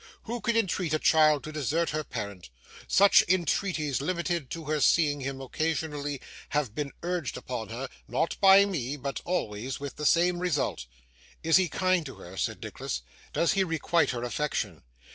'Who could entreat a child to desert her parent? Such entreaties, limited to her seeing him occasionally, have been urged upon her not by me but always with the same result.' 'Is he kind to her?' said Nicholas. 'Does he requite her affection?